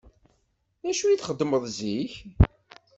D acu i txeddmeḍ zik?